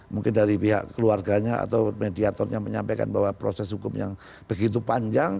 mungkin dari pihak keluarganya atau mediatornya menyampaikan bahwa proses hukum yang begitu panjang